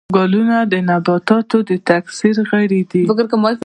ګلونه د نباتاتو د تکثیر غړي دي